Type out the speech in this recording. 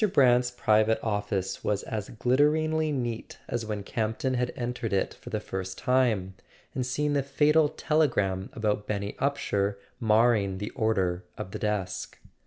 Brant's private office was as glitteringly neat as when Campton had entered it for the first time, and seen the fatal telegram about Benny Upsher marring the order of the desk.